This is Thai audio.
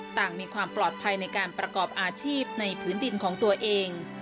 ต่างมีความปลอดภัยในการประกอบอาชีพในพื้นดินของตัวเอง